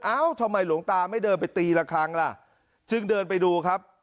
ทำไมหลวงตาไม่เดินไปตีละครั้งล่ะจึงเดินไปดูครับ